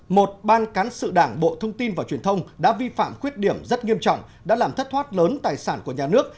một ban cán sự đảng bộ thông tin và truyền thông đã vi phạm khuyết điểm rất nghiêm trọng đã làm thất thoát lớn tài sản của nhà nước